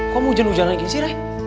kok mau hujan hujan lagi sih ray